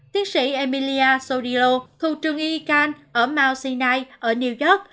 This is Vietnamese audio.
tiến sĩ emilia sodilo thuộc trường yikan ở mount sinai ở new york